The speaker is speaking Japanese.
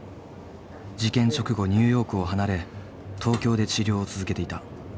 事件直後ニューヨークを離れ東京で治療を続けていた。